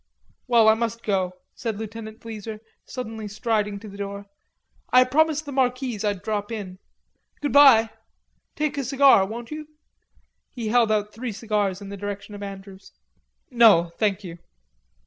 "Well, I must go," said Lieutenant Bleezer, suddenly striding to the door. "I promised the Marquise I'd drop in. Good bye.... Take a cigar, won't you?" He held out three cigars in the direction of Andrews. "No, thank you."